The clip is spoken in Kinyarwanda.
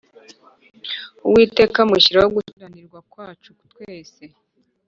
‘Uwiteka amushyiraho gukiranirwa kwacu twese.’